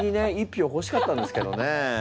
１票ほしかったんですけどね。